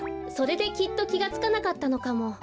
それできっときがつかなかったのかも。